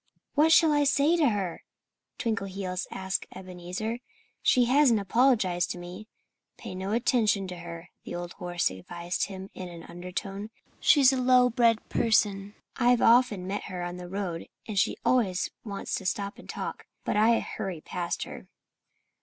"What shall I say to her?" Twinkleheels asked Ebenezer. "She hasn't apologized to me." "Pay no attention to her," the old horse advised him in an undertone. "She's a low bred person. I've often met her on the road and she always wants to stop and talk. But I hurry past her."